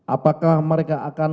apakah mereka akan